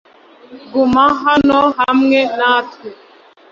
guma hano hamwe natwe